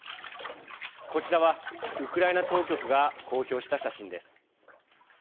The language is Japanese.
こちらはウクライナ当局が公表した写真です。